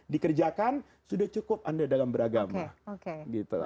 dikerjakan sudah cukup anda dalam beragama